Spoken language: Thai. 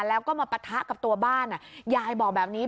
แล้วก็มาปะทะกับตัวบ้านยายบอกแบบนี้